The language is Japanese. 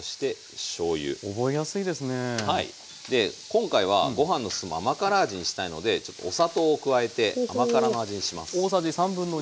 今回はご飯の進む甘辛味にしたいのでちょっとお砂糖を加えて甘辛の味にします。